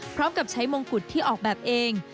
พร้อมกับใช้มงกุฎที่ออกแบบเอง